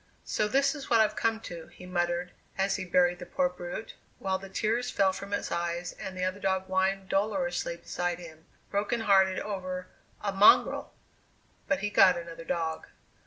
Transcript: "So this is what I've come to!" he muttered as he buried the poor brute, while the tears fell from his eyes and the other dog whined dolorously beside him "broken hearted over a mongrel!" But he got another dog!